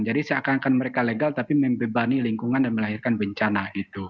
seakan akan mereka legal tapi membebani lingkungan dan melahirkan bencana itu